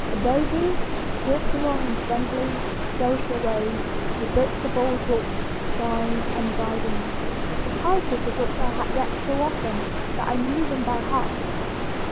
Above these, grouped along in friendly, social rows, were books of all sorts, sizes, and bindings, the titles of which I had read so often that I knew them by heart.